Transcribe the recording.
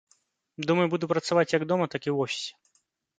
Думаю, буду працаваць як дома, так і ў офісе.